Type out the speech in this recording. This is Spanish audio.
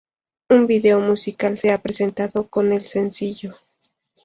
Un video musical se ha presentado con el sencillo.